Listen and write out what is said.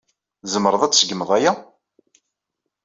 Tzemreḍ ad tseggmeḍ aya?